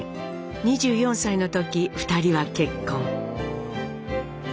２４歳の時２人は結婚。